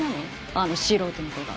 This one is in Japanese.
あの素人の子が。